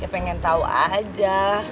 ya pengen tau aja